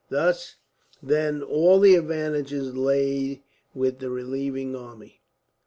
Thus, then, all the advantages lay with the relieving army.